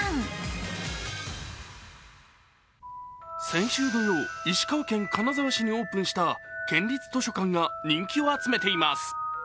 先週土曜、石川県金沢市にオープンした県立図書館が人気を集めています。